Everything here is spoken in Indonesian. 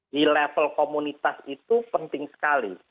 di level komunitas itu penting sekali